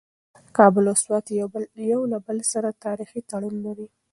کابل او سوات یو له بل سره تاریخي تړاو لري.